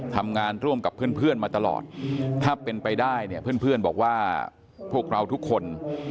ทำงานร่วมกับเพื่อนมาตลอดถ้าเป็นไปได้เนี่ยเพื่อนบอกว่าพวกเราทุกคน